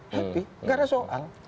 happy gak ada soal